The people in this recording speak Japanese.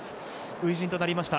初陣となりました